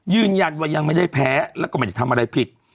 ยืนยันว่ายังไม่ได้แพ้แล้วก็ไม่ได้ทำอะไรผิด